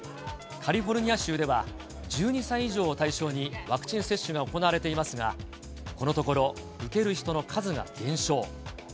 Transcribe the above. カリフォルニア州では、１２歳以上を対象に、ワクチン接種が行われていますが、このところ、受ける人の数が減少。